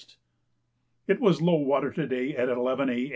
It was low water to day at 11 A.